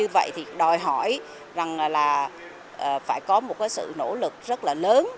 vậy thì đòi hỏi rằng là phải có một cái sự nỗ lực rất là lớn